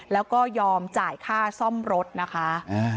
แล้วก็ยอมจ่ายค่าซ่อมรถนะคะ